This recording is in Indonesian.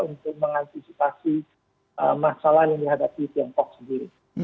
untuk mengantisipasi masalah yang dihadapi tiongkok sendiri